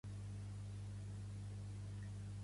Pertany al moviment independentista el Crispina?